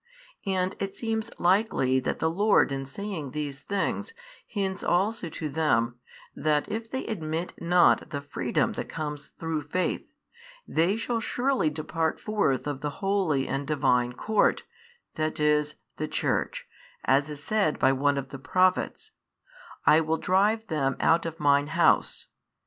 And it seems likely that the Lord in saying these things hints also to them, that if they admit not the freedom that comes through faith, they shall surely depart forth of the holy and Divine court, that is, the Church, as is said by one of the Prophets, I will drive them out of Mine House.